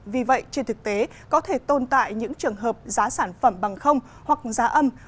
vì vậy trên thực tế có thể tồn tại những trường hợp giá sản phẩm bằng không hoặc giá âm